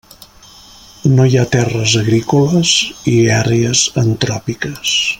No hi ha terres agrícoles i àrees antròpiques.